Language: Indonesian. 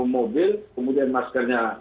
mobil kemudian maskernya